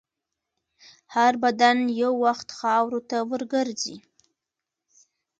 هر بدن یو وخت خاورو ته ورګرځي.